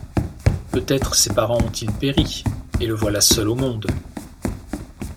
Peut-être ses parents ont-ils péri, et le voilà seul au monde!